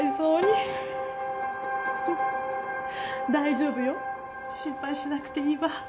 うん大丈夫よ心配しなくていいわ。